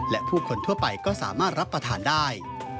และผู้คนทั่วไปก็สามารถรับประทานได้